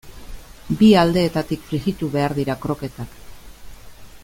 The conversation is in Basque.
Bi aldeetatik frijitu behar dira kroketak.